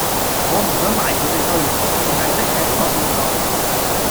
我唔想埋佢地堆，剩係識吃喝玩樂